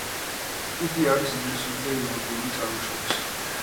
იგი არის ინგლისური და ირლანდიური წარმოშობის.